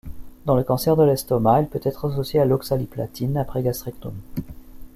Dans le cancer de l'estomac, elle peut être associée à l'oxaliplatine après gastrectomie.